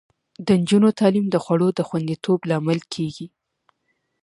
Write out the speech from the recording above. د نجونو تعلیم د خوړو د خوندیتوب لامل کیږي.